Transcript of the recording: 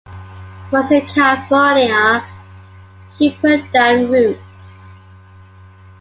Once in California, he put down roots.